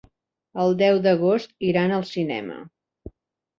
El deu d'agost iran al cinema.